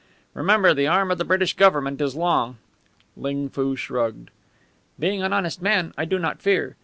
"Remember, the arm of the British Government is long." Ling Foo shrugged. "Being an honest man, I do not fear.